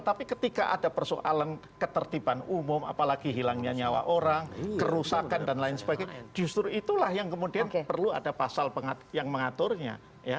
tapi ketika ada persoalan ketertiban umum apalagi hilangnya nyawa orang kerusakan dan lain sebagainya justru itulah yang kemudian perlu ada pasal yang mengaturnya